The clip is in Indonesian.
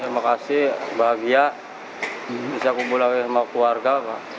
terima kasih bahagia bisa kumpul lagi sama keluarga